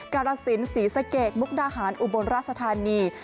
กรสินศรีสะเกดมุกดาหารอุบลราชธานี